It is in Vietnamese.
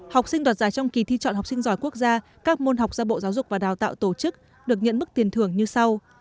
học sinh đoạt giải trong kỳ thi chọn học sinh giỏi quốc gia các môn học do bộ giáo dục và đào tạo tổ chức được nhận bức tiền thưởng như sau